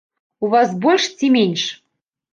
У вас больш ці менш?